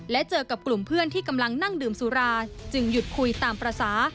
และเจอกับกลุ่มเพื่อนที่กำลังนั่งดื่มสุราจึงหยุดคุยตามภาษา